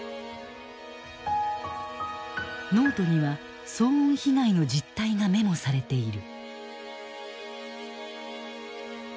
ノートには騒音被害の実態がメモされている。